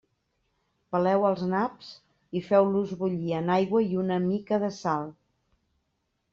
Peleu els naps i feu-los bullir en aigua i una mica de sal.